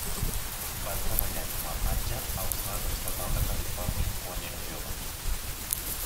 Va treballar com a patge al Senat Estatal de Califòrnia quan era jove.